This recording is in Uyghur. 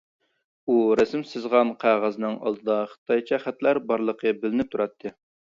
ئۇ رەسىم سىزغان قەغەزنىڭ ئالدىدا خىتايچە خەتلەر بارلىقى بىلىنىپ تۇراتتى.